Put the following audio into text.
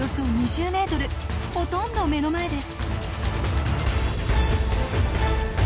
ほとんど目の前です。